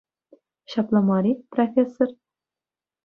Ҫапла мар-и, профессор?